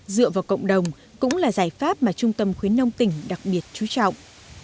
dựa vào cộng đồng cũng là giải pháp mà trung tâm khuyến nông tỉnh đặc biệt chú trọng